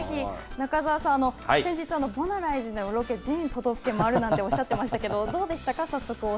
中澤さん、先日、ボナライズのロケ、全都道府県を回るっておっしゃっていましたけど、どうでしたか。